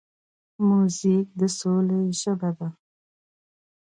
موزیک د سولې ژبه ده.